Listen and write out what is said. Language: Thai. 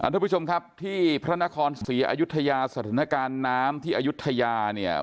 ทุกผู้ชมครับที่พระนครศรีอยุธยาสถานการณ์น้ำที่อายุทยาเนี่ย